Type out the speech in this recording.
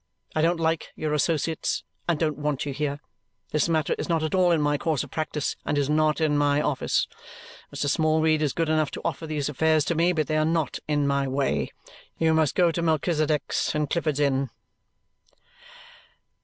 I don't like your associates and don't want you here. This matter is not at all in my course of practice and is not in my office. Mr. Smallweed is good enough to offer these affairs to me, but they are not in my way. You must go to Melchisedech's in Clifford's Inn."